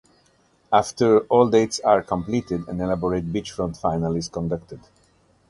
After all dates are completed, an elaborate beachfront finale is conducted.